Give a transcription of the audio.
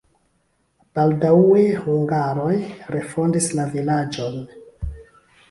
Baldaŭe hungaroj refondis la vilaĝon.